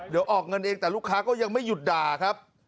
เดี๋ยวออกเงินเองแต่ลูกค้าก็ยังไม่หยุดด่าครับ